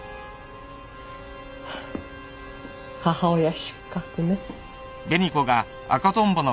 ハァ母親失格ね。